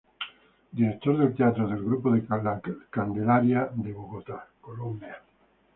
Director del teatro del grupo La Candelaria, de Bogotá, Colombia.